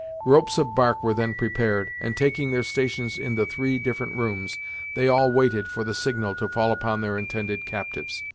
Ropes of bark were then prepared, and taking their stations in the three different rooms, they all waited for the signal to fall upon their intended captives.